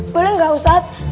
boleh gak ustadz